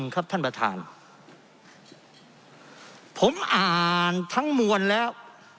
ครับท่านประธานผมอ่านทั้งมวลแล้ว